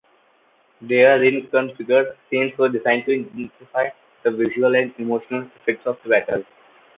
Their reconfigured scenes were designed to intensify the visual and emotional effects of battle.